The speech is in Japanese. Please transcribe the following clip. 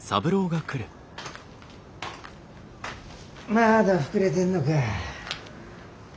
まだ膨れてんのか？